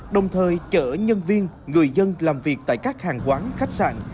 đồng thời chở nhân viên người dân làm việc tại các hàng quán khách sạn